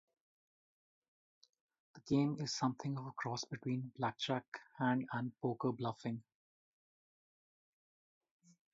The game is something of a cross between blackjack hands and poker bluffing.